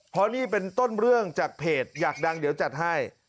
เพราะนี่เป็นต้นเรื่องจากเพจอยากดังเดี๋ยวจัดให้